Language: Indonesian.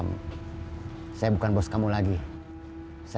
bisa kita ketangkep bisa